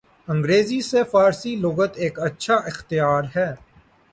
انگریزی سے فارسی لغت ایک اچھا اختیار ہے